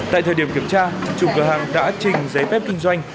tại thời điểm kiểm tra chủ cửa hàng đã trình giấy phép kinh doanh